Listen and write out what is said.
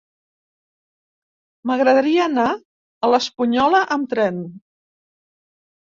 M'agradaria anar a l'Espunyola amb tren.